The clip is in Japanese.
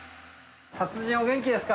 達人、お元気ですか？